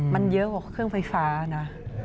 มันเยอะกว่าเครื่องไฟฟ้านะ